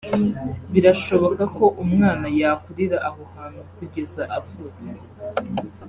Birashoboka ko umwana yakurira aho hantu kugeza avutse